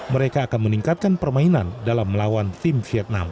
mereka akan meningkatkan permainan dalam melawan tim vietnam